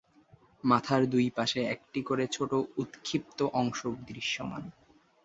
মাথার দুইপাশে একটি করে ছোট উৎক্ষিপ্ত অংশ দৃশ্যমান।